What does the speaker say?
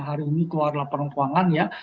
hari ini keluarlah perang keuangan ya